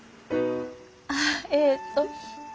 あえっと。